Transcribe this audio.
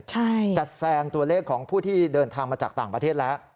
ใช่จัดแซงตัวเลขของผู้ที่เดินทางมาจากต่างประเทศแล้ว